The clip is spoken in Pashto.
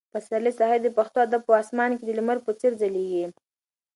پسرلي صاحب د پښتو ادب په اسمان کې د لمر په څېر ځلېږي.